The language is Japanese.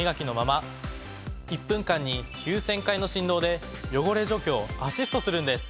１分間に９，０００回の振動で汚れ除去をアシストするんです。